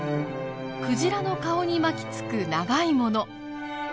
クジラの顔に巻きつく長いもの。